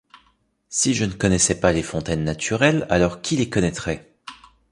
Si je ne connaissais pas les fontaines naturelles alors qui les connaîtrait ?